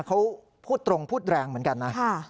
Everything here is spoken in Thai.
เขาพูดตรงพูดแรงเหมือนกันนะ